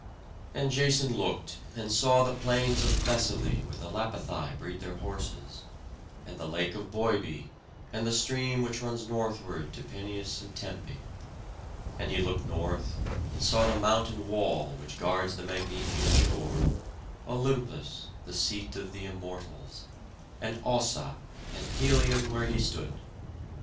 And Jason looked and saw the plains of Thessaly, where the Lapithai breed their horses; and the lake of Boibé, and the stream which runs northward to Peneus and Tempe; and he looked north, and saw the mountain wall which guards the Magnesian shore; Olympus, the seat of the Immortals, and Ossa, and Pelion, where he stood.